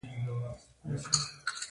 جزا د وهلو ټکولو او جریمې په بڼه وي.